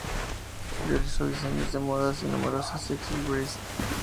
Realizó diseños de modas y numerosos "exlibris".